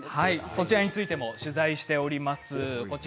そちらについても取材しています。